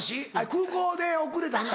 空港で遅れた話。